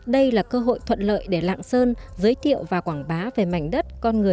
đây là cơ hội thuận lợi để lạng sơn giới thiệu và quảng bá về mảnh đất